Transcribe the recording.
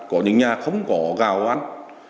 có những nhà không có gạo ăn